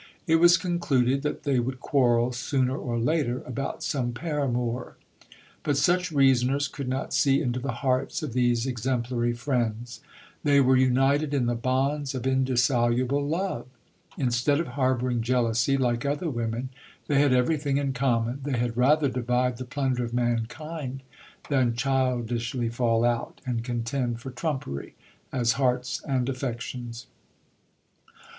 It was con cluded that they would quarrel, sooner or later, about some paramour ; but such reasoners could not see into the hearts of these exemplary friends. They were united in the bonds of indissoluble love. Instead of harbouring jealousy, like other women, they had everything in common. They had rather divide the plunder of mankind, than childishly fall out, and contend for trumpery, as hearts and affections.